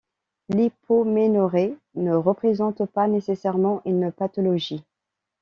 L'hypoménorrhée ne représente pas nécessairement une pathologie.